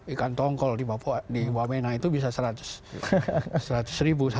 ikan tongkol di papua di wamena itu bisa seratus satu